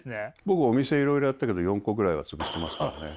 僕お店いろいろやったけど４個ぐらいは潰してますからね。